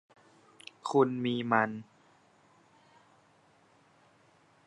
คุณมีมัน